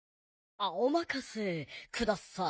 あおまかせください。